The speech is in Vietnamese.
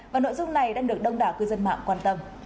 và nội dung này đang được đông đảo cư dân mạng quan tâm